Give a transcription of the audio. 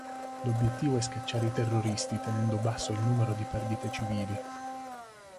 L'obiettivo è scacciare i terroristi tenendo basso il numero di perdite civili.